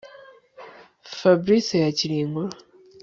Fabric yakiriye inkuru